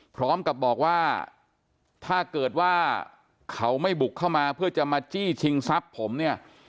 พร้อมกับบอกว่าถ้าเกิดว่าเขาไม่บุกเข้ามาเพื่อจะมาจี้ชิงทรัพย์ผมเนี่ย